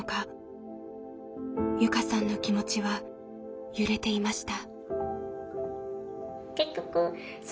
友佳さんの気持ちは揺れていました。